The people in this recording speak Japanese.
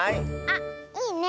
あっいいね。